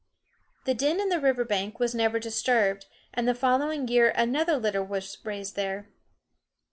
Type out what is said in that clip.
The den in the river bank was never disturbed, and the following year another litter was raised there.